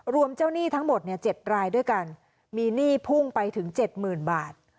รวมเจ้าหนี้ทั้งหมดเนี่ยเจ็ดรายด้วยกันมีหนี้พุ่งไปถึงเจ็ดหมื่นบาท